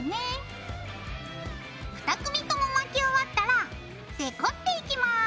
２組とも巻き終わったらデコっていきます。